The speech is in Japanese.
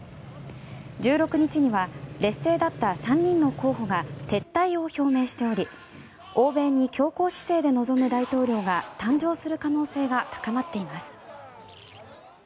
１６日には劣勢だった３人の候補が撤退を表明しており欧米に強硬姿勢で臨む大統領が誕生する可能性が高まっています。